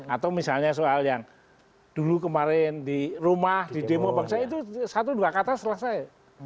atau misalnya soal yang dulu kemarin di rumah di demo bangsa itu satu dua kata selesai